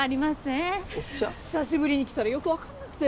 久しぶりに来たらよく分かんなくて。